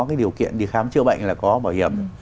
cái điều kiện đi khám chữa bệnh là có bảo hiểm